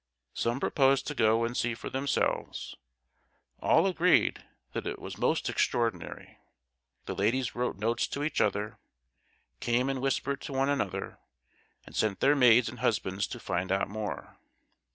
Some proposed to go and see for themselves; all agreed that it was most extraordinary. The ladies wrote notes to each other, came and whispered to one another, and sent their maids and husbands to find out more.